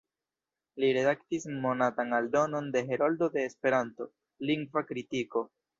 Li redaktis monatan aldonon de "Heroldo de Esperanto: Lingva Kritiko.